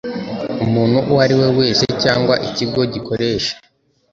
Umuntu uwo ari we wese cyangwa ikigo gikoresha